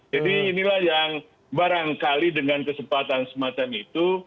jadi inilah yang barangkali dengan kesempatan semacam itu